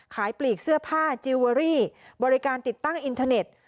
ปลีกเสื้อผ้าจิลเวอรี่บริการติดตั้งอินเทอร์เน็ต